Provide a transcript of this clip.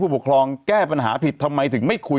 ปกครองแก้ปัญหาผิดทำไมถึงไม่คุย